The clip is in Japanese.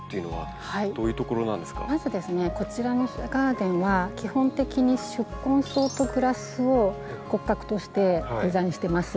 まずですねこちらのガーデンは基本的に宿根草とグラスを骨格としてデザインしてます。